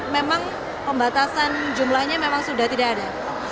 memang pembatasan jumlahnya memang sudah tidak ada